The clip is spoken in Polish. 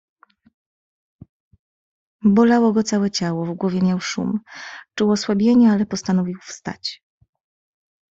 "Bolało go całe ciało, w głowie miał szum, czuł osłabienie, ale postanowił wstać."